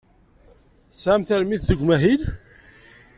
Tesɛam tarmit deg umahil.